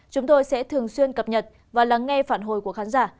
chúng tôi sẽ thường xuyên cập nhật và lắng nghe phản hồi của khán giả